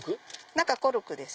中コルクです。